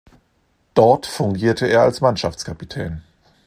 Dort fungierte er als Mannschaftskapitän.